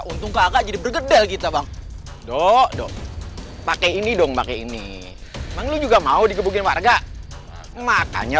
untuk kakak jadi bergedel kita bang dodo pakai ini dong pakai ini lu juga mau digugur warga matanya